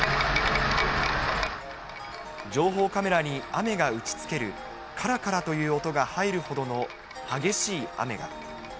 情報カメラに雨が打ちつける、からからという音が入るほどの激しい雨が。